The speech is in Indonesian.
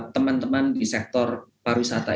teman teman di sektor pariwisata